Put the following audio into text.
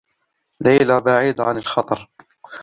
ليلى بعيدة عن الخطر.